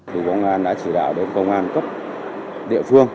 thì công an đã chỉ đạo đến công an cấp địa phương